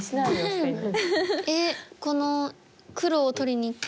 えっこの黒を取りにきてる？